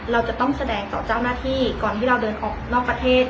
เราจะต้องแสดงต่อเจ้าหน้าที่ก่อนที่เราเดินออกนอกประเทศ